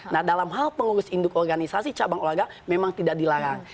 nah dalam hal pengurus induk organisasi cabang olahraga memang tidak dilarang